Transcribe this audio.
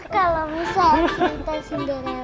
kalau misalnya cinta cinderella